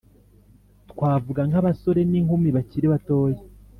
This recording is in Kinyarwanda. twavuga nk'abasore n'inkumi bakiri batoya,